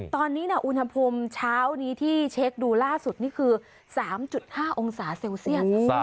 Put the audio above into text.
ตอนนี้อุณหภูมิเช้านี้ที่เช็คดูล่าสุดนี่คือ๓๕องศาเซลเซียส